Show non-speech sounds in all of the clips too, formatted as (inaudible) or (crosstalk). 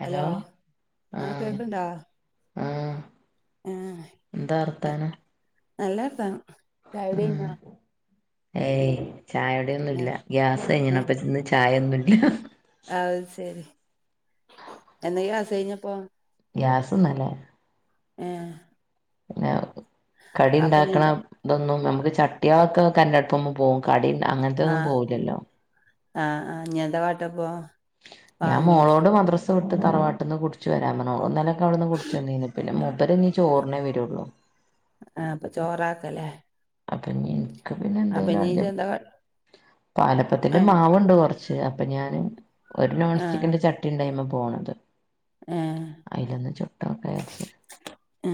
Hello ആ ആഹ് കേക്കണ്ടാ ആഹ് ആഹ് എന്താ വർത്താനം നല്ല വർത്താനം ചായകുടി ആഹ് കഴിഞ്ഞോ ഏയ് ചായുടി ആ, ഒന്നുംല്ല ഗ്യാസ്കഴിഞ്ഞിണ് ഏ അപ്പന്ന് ചായ ഒന്നും ഇല്ല അത് ശെരി എന്നേ ഗ്യാസ് കയിഞ്ഞപ്പം ഗ്യാസ് ഇന്നലെ ഏഹ് പിന്ന കടി അപ്പൊ ഇനി ഉണ്ടാക്കണ എന്താ ഇതൊന്നും നമുക്ക് ചട്ടിയാളൊക്കെ കരണ്ടടുപ്പ്മ്മെ പോവും കടി അങ്ങനത്തെൊന്നും പോവില്ലല്ലോ ആ ആഹ് ഇനി എന്താ കാട്ട അപ്പൊ ഞാൻ മോളോട് മദ്ര സവ്ട്ട് തറവാട്ട്ന്ന് കുടിച്ച് വരാന് പർഞ്ഞു ഓള് ഇന്നലൊക്കെ അവ്ട്ന്ന് കുടിച്ചവന്നീന്ന് പിന്നെ മുപ്പര് ഇനി ചോറിനേ വരോള്ളൂ ആ അപ്പ ചോറാക്കലേ അപ്പഞ്ഞി ഇൻക്ക് പിന്നെ എന്തെലും അഡ്‌ജെ ഇജ്ജ് എന്താ കാ പാലപ്പത്തിന്റെ ആഹ് മാവണ്ട് കൊർച്ച് അപ്പഞ്ഞ് ഞാന് ഒര് നോൺ സ്റ്റിക്കിന്റെ ചട്ടി കുട്ടിണ്ടയ്മ പോണത് ഏ അയിലൊന്ന് ചുട്ടോക്കാ വിചാരിച്ച് ഏ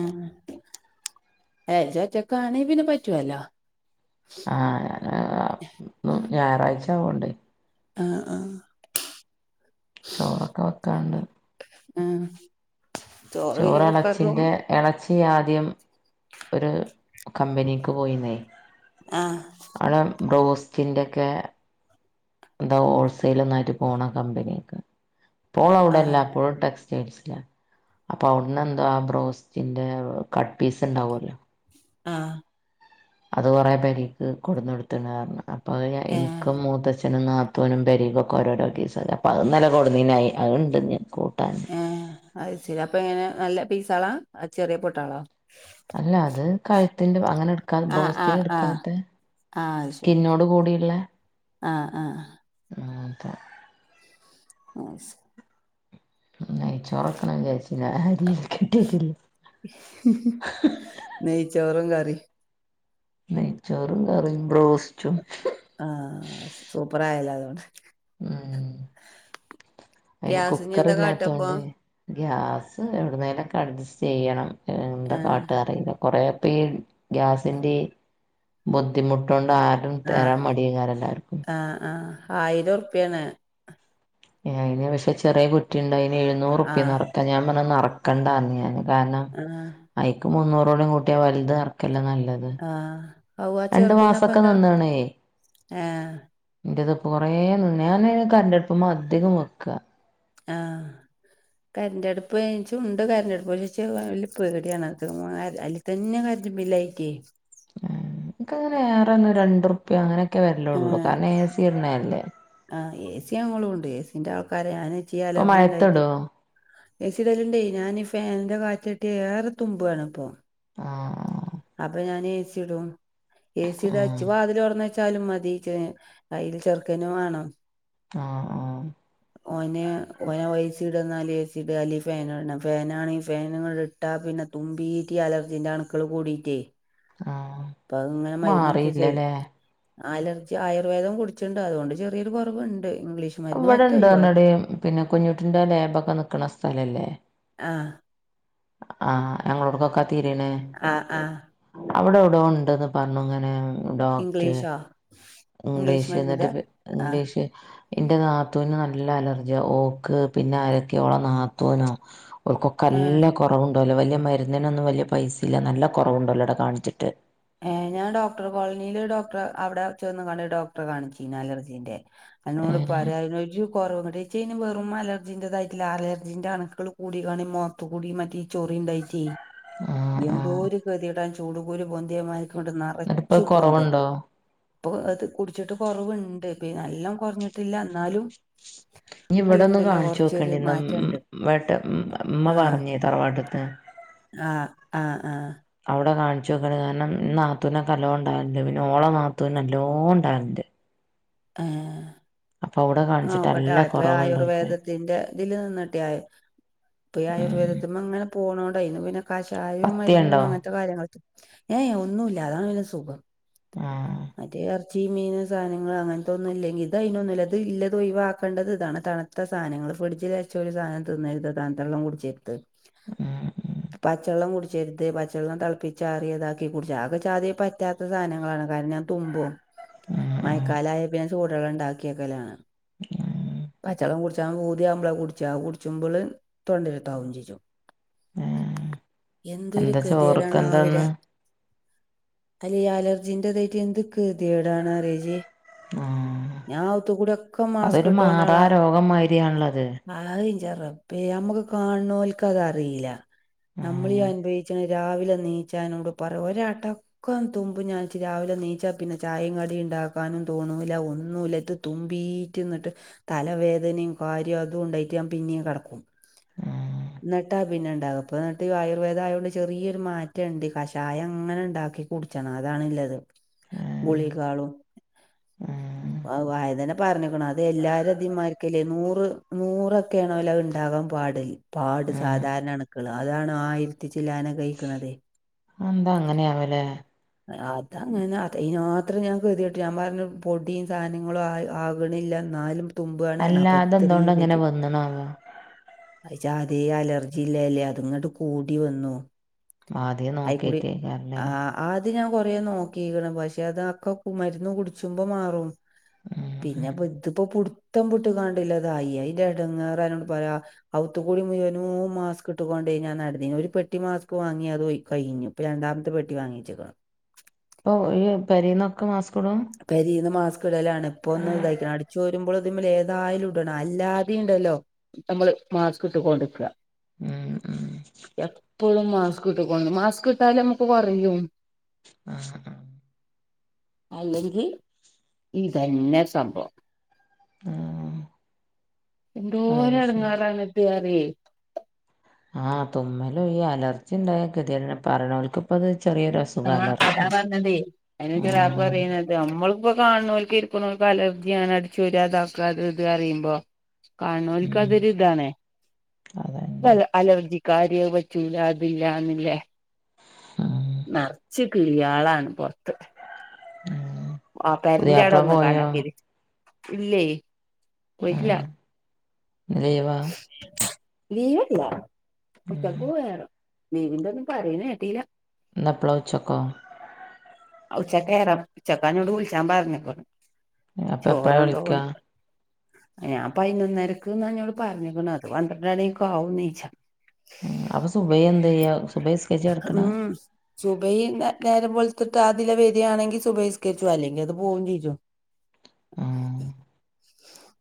ഏയ്‌ ഇജോറ്റക്കാണയ് പിന്നെ പറ്റോല്ലോ ആ ഞാന് ഞായറാഴ്ച ആവോണ്ടേ അ ആ ചോറൊക്ക വെക്കാണ്ട് ആ ചോറ് ചോറ്കുക്കർലും എളച്ചിന്റെ എളച്ചി ആദ്യം ഒര് കമ്പനീക്ക് പോയിന്നേ ആഹ് ആടെ ബ്രോസ്റ്റ്ന്റെക്കെ എന്താ ഹോൾസൈല് ഒന്നായിട്ട് പോണ കമ്പനീക്ക് ഇപ്പോള് ആഹ് അവ്ടെല്ല ഇപ്പോഴ് ടെക്സ് റ്റൈസിലാ അപ്പൊ അവ്ട്ന്ന് എന്തോ ആ ബ്രോസ്റ്റിന്റെ കട്ട് പീസ് ഉണ്ടാവല്ലോ ആഹ് അത് കുറേ പേരേക്ക് കൊട്ന്ന്ട്ത്ത്ണ് അർഞ്ഞു അപ്പൊഹ് ഞാ ഏഹ് ഇൻക്കും മൂത്തച്ഛനും നാ തൂനും പെരീകൊക്കെ ഓരോരോ കീസ് അപ്പം അത് ന്നലെ കൊടുന്നീനായി അത്ണ്ട് കൂട്ടാൻ ഏ അഹ് ശെരി അപ്പ എങ്ങനെ നല്ല പീസാളാ ചെറിയ പൊട്ടാളോ ല്ല അത് കാഴ്ത്തിന്റെ ഭാ അങ്ങനെ ഇട് ക്കാ ആഹ് ആഹ് ബ്രോസ്റ്റിന് ആഹ് ഇട്ക്കാത്തെ ആഹ് അത് ശരി സ്കിന്നോട് കൂടിയ്ള്ളേ ആഹ് ആഹ് മാത്ത ആ സ് നെയ്ച്ചോറക്കണം വിചാരിച്ചിനി അരി കിട്ടീട്ടില്ലാ നെയ്ച്ചോറും കറി നെയ്ച്ചോറും കറിം ബ്രോസ്റ്റും ആ സൂപ്പറായല്ലോ അതൊണ്ട് ഉം അയ്ന് ഗ്യാസിന് കുക്കറ് എന്താ കാട്ടപ്പൊ ഇല്ലാത്തൊണ്ട് ഗ്യാസ് എവിട്ന്നേലൊക്കെ അഡ്ജസ്റ്റ് ചെയ്യണം എന്താ ആഹ് കാട്ടാറീലാ കുറെ പീ ഗ്യാസിന്റെ ഈ ബുദ്ധിമുട്ടൊണ്ട് ആ ആഹ് തേരാ മടിയ്കാരം എല്ലാർക്കും ആഹ് ആ ആയിരർപ്പ്യണ് അയിന് പക്ഷെ ചെറിയ കുറ്റി ഉണ്ട് അയ്ന് എഴുന്നൂറ്പ്പ്യ ആഹ് നർക്കാൻ ഞാൻ പറഞ്ഞു അത് നറക്കണ്ടാന്ന് ഞാന് കാരണം ആഹ് ഐക്ക് മുന്നൂറുംടിം കൂട്ടിയാ വൽത് നറക്കല്ല നല്ലത് ആ അൗ രണ്ട് ചെർദിന മാസൊക്കെ അപ്പന്ത ഏ ന്റെത് കൊറെ നിന്ന് ഞാന് കരണ്ടട്പ്പ്മ്മേ അധികം വെക്കാ ആഹ് കരന്റട്പ്പ് ച്ചും ഉണ്ട് കരന്റട്പ്പ് ഇച്ച് അതിൽ പേടിയാണ് അത് (unintelligible) തന്നെ കരന്റ് ബില്ലായിറ്റെ നക്കങ്ങനെ എറെന്ന് രണ്ടുർുപ്പ്യ അങ്ങനെക്കെ വര്ല്ലള്ളൂ കാര്ണം എ സി ഇട്ണല്ലേ ആ എ സി ങ്ങളും ഇടും എ സീന്റെ ആൾക്കാരാ ഞന്ച്ചി ഇപ്പൊ അലർജി ഇണ്ടായിട്ട് മഴത്തിടോ? എ സി ടാല്ണ്ടേ ഞാന് ഈ ഫാൻന്റെ കാറ്റട്ടിയാ ഏറെ തുമ്പാണ് ഇപ്പൊ ആ ആഹ് അപ്പ ഞാന് എ സി ഇടും എ സി ഇടാ ആഹ് ച്ച് വാതില് ഒർന്ന ച്ചാലും മതീച്ച് അയ്ല് ചെർക്കനും വാണം ആ ആഹ് (inaudible) ഓന് ഓനാ ഓ എ സി ഇട്ന്നാല് എ സി ഇട് അല്ലെ ഫാനിടണം ഫേനാണേ ഫേനിങ്ങള് ഇട്ട പിന്നെ തുമ്പീട്ടി അലർജീന്റെ അണുക്കള് കൂടിയിറ്റേ ആ അപ്പൊ അതിങ്ങനെ മരുന്നിട്ട് ശെരി അലർജി ആയുർവേദം കുട്ച്ച്ണ്ട്. അതോണ്ട് ചെറിയൊരു കൊറവുണ്ട്. ഇംഗ്ലീഷ് മരുന്ന് മറ്റേ ഒഴിവാക്കി വടെണ്ട്ർണടീ പിന്നെ കുഞ്ഞുട്ടിന്റെ ലേബക്കെ നിക്കണ സ്ഥലല്ലേ ആഹ്. ആഹ്, ഞങ്ങളോട്ക്കൊക്കാ തീരീണെ ആഹ് ആഹ് അവ്ടൊവ്ടോണ്ട്ന്ന് പർണു ങ്ങനെ ഉം ഡോക്ടേ ഇംഗ്ലീഷോ ഇംഗ്ലീഷ് ന്നട്ട് പ് ആഹ് ഇംഗ്ലീഷ് ഇന്റെ നാത്തൂന് നല്ല അലർജ്യാ. ഓക്ക് പിന്നെ ആരക്കേ ഓള നാത്തൂനോ ഓൽക്കൊക്ക ഏഹ് ല്ല കൊറവുണ്ടോല്ലോ വല്യ മെര്ന്ന്നൊന്നും വെല്യ പൈസില്ല നല്ല കുറവുണ്ടുല്ലടാ കാൺച്ചിട്ട് ഏഹ്, ഞാൻ ഡോക്ടർ കോൾനീല് ഡോക്ടറെ അവ്ടെ ചെന്ന്കാണ്ട് ഡോക്ടറെ കാണിച്ചീന് അലർജീന്റെ അന്നോട് ഏഹ് പറയാനൊരു കൊറവു കുടെച്ചി ഇനി വെറും അലജിന്റെതായിട്ടില്ല, ആർജിന്റെ അണുക്കള് കൂടി കാണേ മൊ (unintelligible) പ്പുകുടീ മറ്റേ ഈ ചൊറിണ്ടായിറ്റേ (unintelligible) യെന്തോര് കെത്യടാ, ചൂടുകുരു പൊന്തിയമാര്ക്ക്ണ്ട് എന്നിട്ടിപ്പോ നറച്ച് പൊന്തും. കുറവുണ്ടോ പ്പൊ അത് കുട്ച്ചിട്ട് കൊർവ്ണ്ട്. പീ നല്ലം കൊർഞ്ഞിട്ടില്ല ന്നാലും യി വടൊന്ന് കാൺച്ചോക്കണ്ടി. ന്നം വടെ ഉം ഉം മ്മ ആഹ് പർഞ്ഞി തറവാട്ട്ത്തെ ആഹ്, ആഹ്, ആഹ് ഔടെ കാൺച്ചോക്കണ്ടി. കാര്ണം നാത്തൂനൊകല്ലോണ്ടാൽണ്ട്. പിന്നെ ഓള നാത്തൂനല്ലോണ്ടാൽണ്ട്. ഏഹ്. അപ്പൊ ഔടെ കാ നോക്കട്ടെ ആദ്തെ ആയുർവേദ് തിന്റെതില് ന്ന്ട്ടെ പ്പെഈ ഉം ആയുർവേദത്തിമ്മേങ്ങനെ പോണോണ്ടെയ്ന്ന് പിന്നെ കഷായോം മര്ന്നും പത്തിയണ്ടോ അങ്ങൻത്തെ കാര്യങ്ങൾക്കെ ഏ ഏ ഒന്നൂല്ല. അതാണ് പിന്നെ സുഖം ആഹ്. മറ്റേ എർച്ചി, മീന് സാനങ്ങള് അങ്ങൻത്തൊന്നുല്ലെങ്കി തയ്നൊന്നുല്ല്യ. ത് ഇല്ലത് ഒയിവാക്കണ്ടത് താണ്. തണ്ത്ത സാനങ്ങള്, ഫ്രഡ്ജില് വെച്ചൊരു സാനം തിന്നര്ത്. തണ്ത്തള്ളം കുട്ച്ചെര്ത്. ഉം ഉം പച്ചള്ളം കുടി ച്ചെര്ത് പച്ചള്ളം തെൾപ്പിച്ചാറിയതാക്കി കുട്ച്ച ആകെ ചാതി പറ്റാത്ത സാനങ്ങളാണ് കാര്ണം നാൻ തുമ്പും. ഉം മയക്കാലായ പിന്നെ ചൂടെള്ളണ്ടാക്കിക്കലാണ്. ഉം ഉം പച്ചള്ളം കുട്ച് ച്ചാ പൂതിയാവ്മ്പളാ കുട്ച്ചാ, കുട്ച്ചുമ്പള് തൊണ്ടെലെര്താവും ചെജും. ഉം എന്തൊരു എന്താ ചോറ്ക്ക് കെത്യേടാണാ ആ എന്താന്ന് ഒരാ അല്ലീ ഈ അലർജിന്റെതെയ്ട്ട് എന്ത് കെ ത്യേടാണറിയോജി. ആഹ് ഞാ ഔ ഔത്തു കൂടൊക്ക മാസ്ക് അതൊരു മാറാ ട്ടോണ്ടാളാ രോഗം മാതിരിയാണല്ലത് ആഹ് ൻ്റെ റബ്ബേ അമ്മക്ക് കാൺണോൽക്കതറീലാ. നമ്മളീ ഉം അൻഭവിച്ച്ണ രാവിലെ അത് നീച്ചാനോട് പറ ഒരാട്ടം. ക്കം തുമ്പും ഞാൻച്ച് രാവിലെ നീച്ചാ പിന്നെ ചായേം കടിണ്ടാക്കാനും തോണൂല്ല ഒന്നുല്ലത് തുമ്പീറ്റ്ന്നട്ട് തലവേദനിം കൊരിം അതുണ്ടായ്റ്റ് ഞാൻ പിന്നിം കെടക്കും. ഉം ന്നട്ടാ പിന്നെണ്ടാവ പ്പന്നെട്ട് ഈ ആയുർവേദായോണ്ട് ചെറിയൊര് മാറ്റണ്ട്. കഷായങ്ങനെണ്ടാക്കി കുട്ച്ചണം അതാണ്ല്ലെത്. ഉം ഗുളികാളും, ഉം അ വാ അതന്നെ പർഞ്ഞീക്ക്ണു. അത് എല്ലാരും അതേമാര്ക്കല്ലേ നൂറ് നൂറൊക്കെണോലേ അഅ്ണ്ടാകാൻ പാട്. പാട് ഉം സാധാര്ണ അണ്ക്കള് അതാണ് ആയിര്ത്തിച്ചില്ലാനക്കായ്ക്ക്ണതേ. അ എന്താ അങ്ങനെയാവൊലെ. അയ് അതങ്ങന അതെയ്നാത്രം ഞാൻ കെതിയെട്ട് ഞാൻ പർഞ്ഞു പൊടീം സാനങ്ങളുആയി ആവ് വ്ണില്ലാ ന്നാലും തുമ്പുവാണ് (unintelligible) അല്ല അതെന്തോണ്ട് അങ്ങനെ (unintelligible) വന്നണാവോ അയ്ച്ചാദ്യേ അലർജില്ലേല്ലേ അത്ങ്ങട്ട് കൂടി വന്നു. ആദ്യം ആയ്ക്കൂട്യേ നോക്കിട്ടേക്കാരല്ലേ ആഹ് ആദ്യം ഞാൻ കൊറേ നോക്കീക്ക്ണ്. പഷെ അതൊക്കെ മര്ന്ന് കുട്ച്ചുമ്പം മാറും ഉം ഉം പിന്നെപ്പൊ ത്പ്പോ പുട്ത്തം പുട്ട്കാണ്ടില്ലതായി. അയിൻ്റെടങ്ങാറന്നോട് പറ്യാ ഔത്തു കൂടി മുഴുവനും മാസ്ക് ഇട്ടുകൊണ്ട് ഞാൻ നടന്ന ഒരു പെട്ടി മാസ്ക് വാങ്ങി അതികഴിഞ്ഞു ഇപ്പം രണ്ടമത്തെ പെട്ടി വാങ്ങിച്ചേക്കണം ഒ ഈ പെരിന്നൊക്കെ മാസ്ക് ഇടും പെരിന്ന് മാസ്ക് ഇടലാണ് ഇപ്പോ ഒന്ന് ഇതയിക്ക് ണ് ചോരുമ്പോൾ ഇതിമ്മ ൽ ഏതായാലും ഇടണ അല്ലാതെയ ഇണ്ടല്ലോ നമ്മള് മാസ്ക് ഇട്ട് കൊണ്ട് നിക്ക എം ഇം എപ്പോഴും മാസ്ക് കിട്ടോണ്ട് മാസ്ക് കിട്ടാലേ നമുക്ക്കെറയും ആഹ ആ അല്ലെങ്കിൽ ഇതന്നെ സംഭവം ഏ എ ന്തോര് എടങ്ങർണ് പറയ ഇത് ആതുമ്മൽ ഈ അലർജി ഉണ്ടായ കതി യേട് നെ പറയണേൽ ക്ക് ഇപ്പത് ചെറിയൊ ഒരു അസ് ആ അതാ പറഞ്ഞ തേ അതനെ കാക്കു ഉം പറയുന്നത് നമ്മളിപ്പോ കാണുന്നൽ. ഇരിക്കുന്നവക്കക്ക് അലർജി യാണ് അടിച്ചു രോ ഇക്കഅത് ഇത് പറിയുമ്പോ ഉം കാണോലിക്കാതൊരു അതന്നെ ഇതാണ്അലർജി കാര്യ പാ റ്റുല എന്നില്ലെ ആം നറച്ച് കിളിയ ൾആളാണ് പൊറത്ത് ആ പെരന്റെറെ പുതിയാപ്ല ആട ഒന്ന് പോയോ കണ്ടാക്കീ ഇല്ലേ പോയിറ്റ് ഇല്ല ഉം ഇന്ന് ലീവാ ലീവ് ഇല്ല ഉം ഉച്ചക്ക്പോയറോ നീവിന്റെ ഒന്നും പറയ കേട്ടില്ല നപ്പ്ള ഉച്ചൊക്കോ ഉച്ചക്കയറ ഉച്ചക്ക എ നോട് വിളിച്ചാൻ പറഞ്ഞക്കോ അപ്പൊ എപ്പഴാ ചോറണ്ടോ വിളിക്കാ ഞാൻ പതിനൊന്നരക്ക് എന്നോട് പറഞ്ഞണു അത് പന്ത്രണ്ടാണക്കും ആവും നീ ച്ചാൻ അപ്പൊ സുബയ എന്ത ചെയ്യ സുബെ നിസ്ക്കരിച്ച് കടക്ക് ണ സുബൈ നേരം വെൾത്ത് താ അതില വേദയാണെങ്കിൽ സുബൈസ്കരിച്ചോ അല്ലെങ്കിൽ അത് പോകയും ച്ിച്ചോ ഇം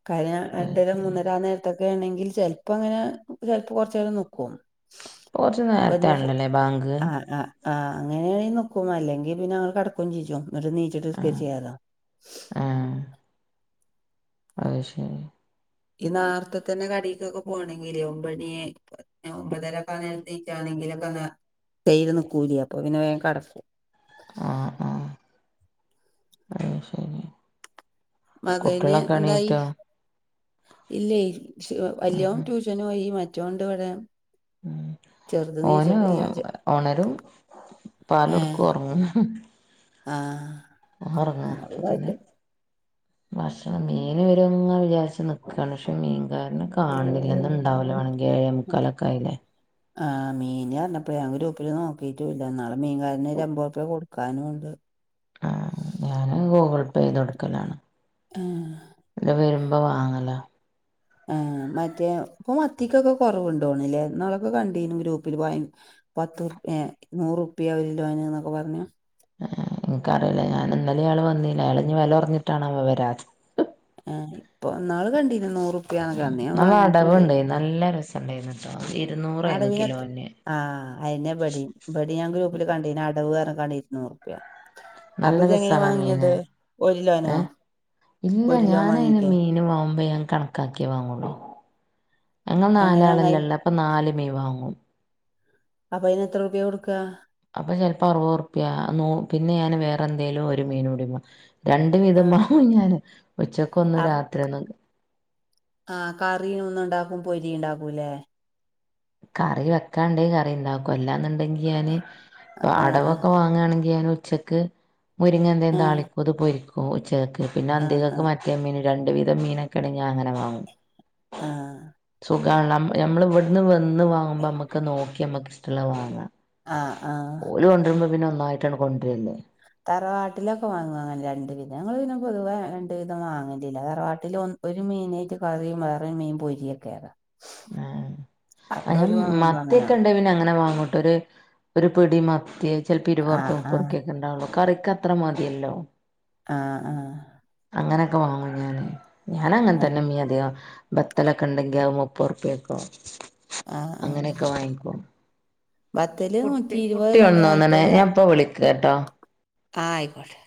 കാര്യ രണ്ടരം മൂന്നര എത നേരത്തൊക്കെ ഉണെങ്കിൽ ചിലപ്പോ അങ്ങനെ ചെിലപ്പൾ കുറച്ച നേരം നോക്കും ഇപ്പൊ കൊറച്ച് നേരത്തെ വന്ന് ആണല്ലോല്ലേ ബാങ്ക് ആഹ ആഹ ആഹ് അങ്ങനൊണെങ്ക നോക്കും അല്ലെങ്കിൽ പിന്നെ അവ കിടക്കയും ചീച്ചും നീച്ചി നിസ്കരിക്കചെയ്യാതോ ആഹ അത്ശരി ഈ നാർത്തെ തന്നെ കടക്ക്ക്കെ പോകണങ്കില് ഒമ്പണിയെ ഒൻമ്പതരൊക്കെ അങ്ങ എത്തിച്ചാണെങ്കിലൊക്കെ അ തര് നക്കൂല അപ്പൊ പിന്നെകടക്കും ആഹ ആഹ അത ശരി മകന് എന്തായി കുട്ടികളൊക്കെണീറ്റോ ഇല്ലേ വലേൻ ഉം ട്യൂഷനും പ്പോയി മറ്റോണ്ട് ഇവിടെ ചെറുത് നീച്ചിട്ടില്ല ചെ ഓൻഓണരും പാല് കെടുക്കു ഒറങ്ങും ആ ഒന്ന് ഒറങ്ങ അപ്പ (inaudible) ഭക്ഷണം മീൻ വരോന് വിചാരിച്ച് നിക്ക്ണ് പക്ഷെ മീൻകാരെ കാണണില്ലന്ന് ഇന്ണ്ടാവലോ വണെങ്കിൽ ഏഴെ മുക്കാലക്കായി ലെ ആഹ് മീന് പറഞ്ഞപ്പ ഞാൻ ഗ്രൂപ്പില് നോക്കിയിറ്റുല്ല ഇന്നാള് മീൻകാരന് അമ്പത് രൂപ കൊടുക്കാനും ഇണ്ട് ആഹ് ഞാന് ഗൂഗിൾ പേ ചെയ്ത് കൊടുക്കലാണ് ആഹ് ഇതിലെ വരുമ്പോ വാങ്ങല ആഹ് മറ്റേ ഇപ്പൊ മത്തിക്കൊക്കെ കുറവുണ്ടോണില്ലേ ഇന്നാളൊക്കെ കണ്ടീനു ഗ്രൂപ്പിൽ ബയ പത്ത് ഏ നൂറുപ്പിയ ഒരു കിലോന് എന്നൊക്കെ പറഞ്ഞു എനിക്കറിയില്ല ഞാന് ഇന്നലെ ഒരാള് വന്നില്ല അ യാള്ഞ് വില കുറഞ്ഞിട്ടാണാവോ വരാത് ആഹ് ഇപ്പൊ നാള് കണ്ടിന്ന് നൂറുപ ഉം ഇന്നാള് അടവുണ്ട് നല്ല രസണ്ടായിരുന്നുട്ടോ ഇരുന്നൂറായിരുന്നു അടവിന് കിലോന് ആഹ് അയന്നെ ഇബെടി ഇബെടി ഞാൻ ഗ്രൂപ്പില് കണ്ടിന്ന് അടവ് പറഞ്ഞുങ്ങാട് കണ്ടിരുന്നു ഇരുന്നൂർ രൂപ അപ്പ നല്ല ഇജ്ജെങ്ങനെ രസാണോ മീന് വാങ്ങിയത് ഏ ഒരുകിലോനോ ഇല്ല ഞാൻ അതിന് മീന് വാങ്ങുമ്പോ ഞാൻ കണക്ക കാണക്കാക്കിയേ വാങ്ങുള്ളൂ ഞങ്ങൾ എങ്ങനെ വാങ്ങാ നാലാളല്ലേ ഇള്ളേ അപ്പൊ നാല് മീൻ വാങ്ങും അപ്പൊ അയ്ന് എത്ര രൂപ്യാ കൊടുക്കുക അപ്പൊ ചെലപ്പോ അറുവുറുപ്പ്യാ പിന്നെ ഞാന് വേറെ എന്തേലും ഒരു മീൻ കുടിവാങ്ങും രണ്ട് വിതം ആഹ് വാങ്ങും ഞാൻ ഉച്ചക്ക് ഒന്ന് അപ് രാത്രി ഒന്ന് ആഹ് കറീ ഒന്നും ഉണ്ടാക്കും പൊരി ഉണ്ടാക്കുംല്ലേ കറി വെക്കാണ്ട് കറി ഉണ്ടാവും എല്ലാന്നുണ്ടെങ്കി ഞാന് ആഹ് ആഹ് അടവൊക്കെ വാങ്ങ (unintelligible) ഉച്ചക്ക് മുരിങ്ങ എന്തങ്കിലും ആഹ് താളിക്കും ഇത് പൊരിക്കും ഉച്ചക്ക് പിന്നെ ആഹ് അന്തിക്കക്ക് ആഹ് (unintelligible) രണ്ട് വിതം മീനോക്കെ ആണെങ്കിൽ ഞാൻ അങ്ങനെ വാങ്ങും ആഹ് സുഖളാ നമ്മൾ ഇവിടുന്ന് വന്ന് വാങ്ങുമ്പോ നമ്മുക്ക് നോക്കി നമ്മുക്ക് ഇഷ്ടമുള്ള വാങ്ങാം ആഹ് ആഹ് ഓല് കൊണ്ട്രുമ്പോ പിന്നെ ഒന്നായിട്ടങ്‌ കൊണ്ട്രല്ലേ തറവാട്ടിലൊക്കെ വാങ്ങു അങ്ങനെ രണ്ട് വിധംഞങ്ങങ്ങള് പിന്നെ പൊതുവേ രണ്ടു വിധം വാങ്ങലില്ല തറവാട്ടിൽ ഒരു മീനെറ്റ് കറി വേറൊരു മീൻ പൊരിയൊക്കെ ആഹ് അവിടെ അങ്ങനെ ഓല് വാങ്ങുമ്പോ അങ്ങനെ മത്തിയക്കെ ഉണ്ടങ്കിൽ പിന്നെ അങ്ങനെ വാങ്ങുട്ടോ ഒരു ഒരു പിടി മത്തി ചിലപ്പോ ആഹ് ഇരുപതുർപിയാ ആഹ് മുപ്പതുർപിയ ഒക്കെ ഉണ്ടാവുള്ളു കറിക്ക് അത്ര മതിയല്ലോ ആഹ് ആഹ് അങ്ങനൊക്കെ വാങ്ങും ഞാന് ഞാനങ്ങനെ ആഹ് തന്നെ മീന് അതികം ബത്തളോക്കെ ഉണ്ടെങ്കിൽ അത് മുപ്പറുപ്പ്യൊക്കോ ആഹ് ആഹ് അങ്ങനെയൊക്കെ വാങ്ങിക്കും ബത്തല് കുട്ടി നൂറ്റി ഇരുപത് നൂറ്റി കുട്ടിഉണന്ന് തോന്നണ് നാല്പത് ഞാൻ ഇപ്പ വിളിക്കട്ടോ ആഹ് ആയിക്കോട്ടെ